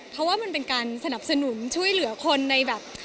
เพราะว่ามันเป็นการสนับสนุนช่วยเหลือคนในแบบ